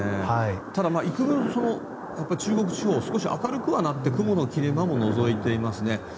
ただ、幾分、中国地方は少し明るくはなって雲の切れ間ものぞいていますね。